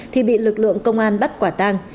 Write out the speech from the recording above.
thì bị lực lượng công an bắt quả tang